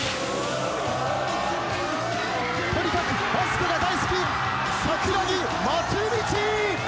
とにかくバスケが大好き桜木松道。